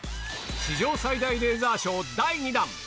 史上最大レーザーショー第２弾。